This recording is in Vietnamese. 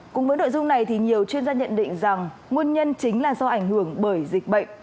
cùng với nội dung này thì nhiều chuyên gia nhận định rằng nguồn nhân chính là do ảnh hưởng bởi dịch bệnh